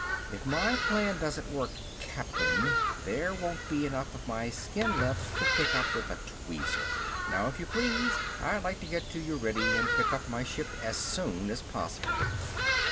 "If my plan doesn't work, captain there won't be enough of my skin left to pick up with a tweezer. Now if you please, I'd like to get to Udrydde and pick up my ship as soon as possible."